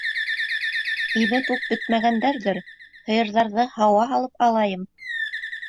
Имеп үк бөтмәгәндәрҙер, һыйырҙарҙы һауа һалып алайым.